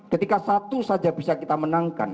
ketika satu saja bisa kita menangkan